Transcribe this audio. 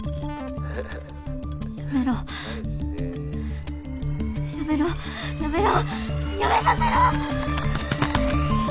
やめろやめろやめさせろ！